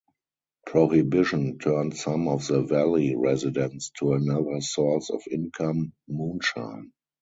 Prohibition turned some of the valley residents to another source of income - moonshine.